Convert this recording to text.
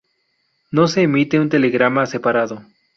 No se emite un telegrama separado.